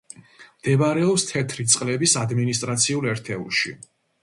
მდებარეობს თეთრი წყლების ადმინისტრაციულ ერთეულში.